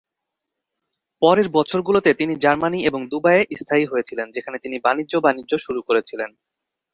পরের বছরগুলোতে তিনি জার্মানি এবং দুবাইয়ে স্থায়ী হয়েছিলেন, যেখানে তিনি বাণিজ্য বাণিজ্য শুরু করেছিলেন।